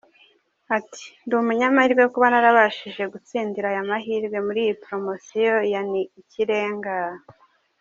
Ati “Ndi umunyamahirwe kuba narabashije gutsindira aya mahirwe muri iyi poromosiyo ya Ni Ikirengaaa.